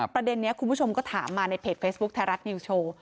ประเด็นนี้คุณผู้ชมก็ถามมาในเพจเฟซบุ๊คไทยรัฐนิวโชว์